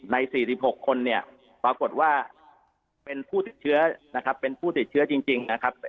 ใน๔๖คนปรากฏว่าเป็นผู้ติดเชื้อจริง